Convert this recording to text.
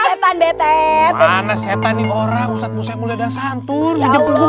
setan betet mana setan ini orang ustadz musa mulia dasantur dijemput gue